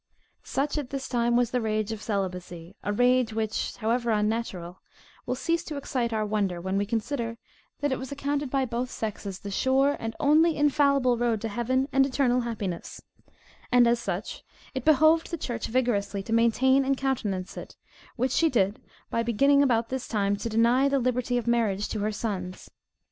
Such at this time was the rage of celibacy; a rage which, however unnatural, will cease to excite our wonder, when we consider, that it was accounted by both sexes the sure and only infallible road to heaven and eternal happiness; and as such, it behoved the church vigorously to maintain and countenance it, which she did by beginning about this time to deny the liberty of marriage to her sons.